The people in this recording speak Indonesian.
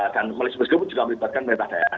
dan malaysia bersgebut juga melibatkan pemerintah daerah